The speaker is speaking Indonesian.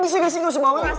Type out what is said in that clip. bisa gak sih gak sebanyak